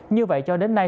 như vậy cho đến nay